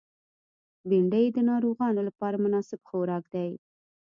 بېنډۍ د ناروغانو لپاره مناسب خوراک دی